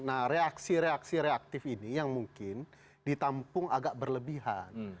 nah reaksi reaksi reaktif ini yang mungkin ditampung agak berlebihan